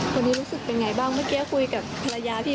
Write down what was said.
รู้สึกเป็นไงบ้างเมื่อกี้คุยกับภรรยาพี่